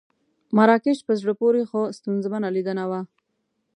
مراکش په زړه پورې خو ستونزمنه لیدنه وه.